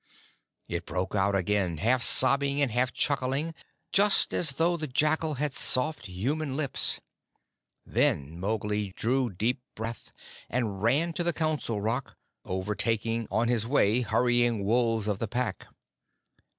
It broke out again, half sobbing and half chuckling, just as though the jackal had soft human lips. Then Mowgli drew deep breath, and ran to the Council Rock, overtaking on his way hurrying wolves of the Pack.